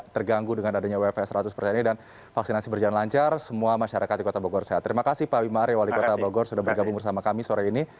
terima kasih pak bima reni wali kota bogor sudah bergabung bersama kami sore ini